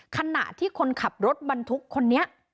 ขณะที่คนขับรถบรรทุกคนนี้